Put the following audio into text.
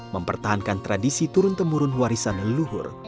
mempertahankan tradisi turun temurun warisan leluhur